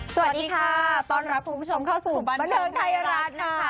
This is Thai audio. สวัสดีค่ะต้อนรับคุณผู้ชมเข้าสู่บันเทิงไทยรัฐนะคะ